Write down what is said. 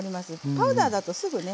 パウダーだとすぐね